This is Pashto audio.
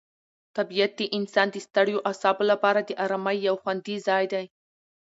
طبیعت د انسان د ستړیو اعصابو لپاره د آرامۍ یو خوندي ځای دی.